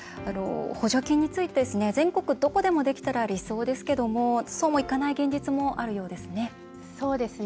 補助金について全国どこでもできたら理想ですけどもそうもいかない現実もあるようですね。